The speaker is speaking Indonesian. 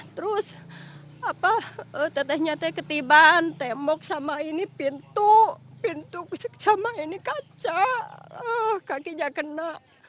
terus tetehnya teh ketiban tembok sama ini pintu pintu sama ini kaca kakinya kena